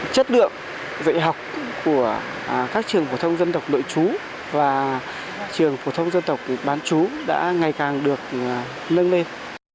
chất lượng dạy học của các trường phổ thông dân tộc nội chú và trường phổ thông dân tộc bán chú đã ngày càng được nâng lên